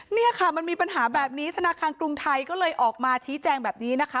เนี่ยค่ะมันมีปัญหาแบบนี้ธนาคารกรุงไทยก็เลยออกมาชี้แจงแบบนี้นะคะ